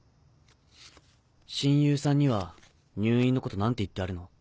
親友さんには入院のこと何て言ってあるの？